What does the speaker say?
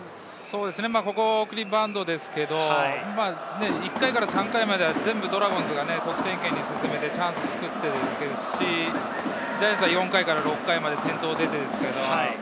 ここは送りバントですけれど、１回から３回までドラゴンズが得点圏に進めてチャンスを作っているんですが、ジャイアンツは４回から６回まで先頭が出ています。